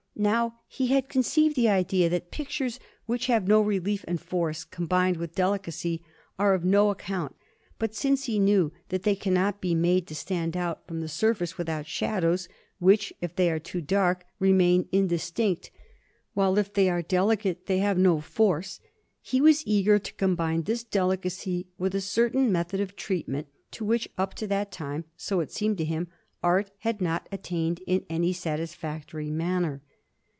Now he had conceived the idea that pictures which have no relief and force, combined with delicacy, are of no account; but since he knew that they cannot be made to stand out from the surface without shadows, which, if they are too dark, remain indistinct, while, if they are delicate, they have no force, he was eager to combine this delicacy with a certain method of treatment to which up to that time, so it seemed to him, art had not attained in any satisfactory manner.